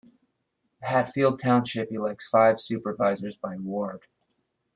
Hatfield Township elects five supervisors by ward.